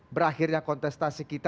berakhirnya kontestasi kita